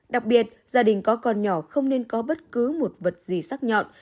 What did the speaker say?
đặc biệt gia đình có con nhỏ không nên có bất cứ một vật gì sắc nhọn